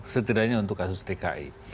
setidaknya untuk kasus tki